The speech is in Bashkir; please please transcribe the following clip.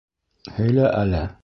Һөйлә әле!